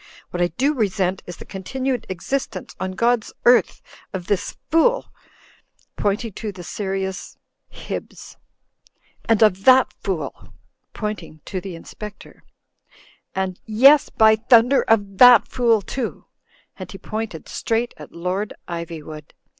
What I do resent is the continued existence on God'^ earth of this Fool" (pointing to the serious 204 THE FLYING INN Hibbs) *'and of that Fool" (pointing to the Inspector) "and — ^yes, by thunder, of that Fool, too" (and he pointed straight at Lord Iv)nvood).